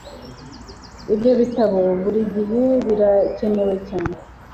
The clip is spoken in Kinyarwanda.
Ibyo bitabo buri gihe birakenewe cyane